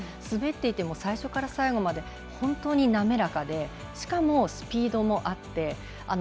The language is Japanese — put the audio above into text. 滑っていても、最初から最後まで本当に滑らかでしかもスピードもあって。